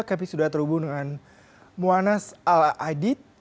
kpi sudah terhubung dengan mu'annas ala adid